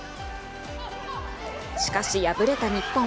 しかし、敗れた日本。